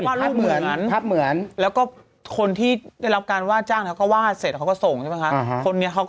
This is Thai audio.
รูปเหมือนภาพเหมือนแล้วก็คนที่ได้รับการว่าจ้างเขาก็วาดเสร็จเขาก็ส่งใช่ไหมคะ